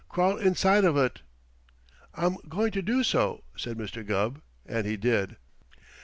Crawl inside of ut!" "I'm going to do so," said Mr. Gubb, and he did.